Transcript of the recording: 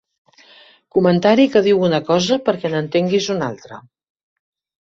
Comentari que diu una cosa perquè n'entenguis una altra.